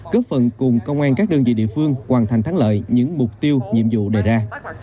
góp phần cùng công an các đơn vị địa phương hoàn thành thắng lợi những mục tiêu nhiệm vụ đề ra